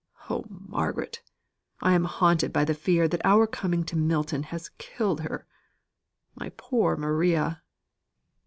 Oh, Margaret! I am haunted by the fear that our coming to Milton has killed her. My poor Maria!"